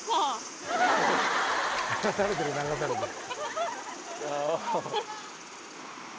流されてる流されてる。